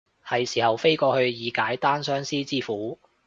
係時候飛過去以解單相思之苦